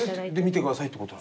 見てくださいってこと？